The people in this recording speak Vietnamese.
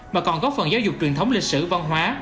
mà còn góp phần giáo dục truyền thống lịch sử văn hóa